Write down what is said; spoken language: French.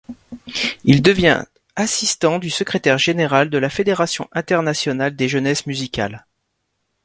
Il devient assistant du secrétaire général de la Fédération internationale des Jeunesses musicales.